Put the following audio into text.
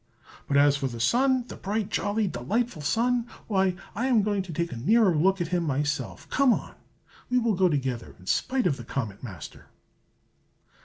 ] "But as for the Sun, the bright, jolly, delightful Sun, why, I am going to take a nearer look at him myself. Come on! We will go together, in spite of the Comet Master."